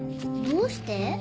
どうして？